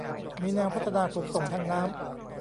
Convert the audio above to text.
มีแนวพัฒนาขนส่งทางน้ำ